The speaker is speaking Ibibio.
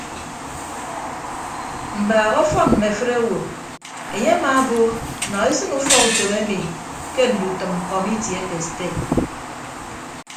Mbaak ọfọn mme afịt owo enye amaabo nọ esịn ufọkutom emi ke ndutʌm kọmiti ake sted.